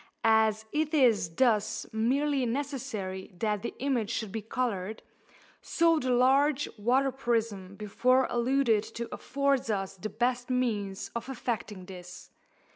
As it is thus merely necessary that the image should be coloured, so the large water prism before alluded to affords us the best means of effecting this.